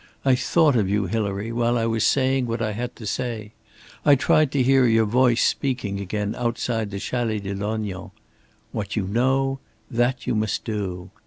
I thought of you, Hilary, while I was saying what I had to say. I tried to hear your voice speaking again outside the Chalet de Lognan. 'What you know, that you must do.'